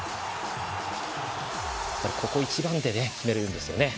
ここ一番で決めるんですよね。